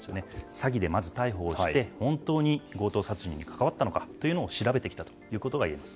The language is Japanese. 詐欺でまず逮捕をして本当に強盗殺人に関わったのかを調べてきたということがいえます。